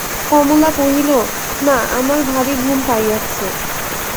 কমলা কহিল, না, আমার ভারি ঘুম পাইয়াছে।